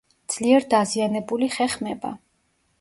ძლიერ დაზიანებული ხე ხმება.